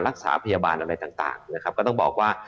รักษาพยาบาลอะไรต่างนะครับก็ต้องบอกว่า